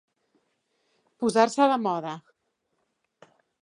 Posar-se de moda.